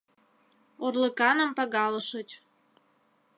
Орлыканым пагалышыч...